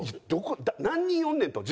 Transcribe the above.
何人おんねんと。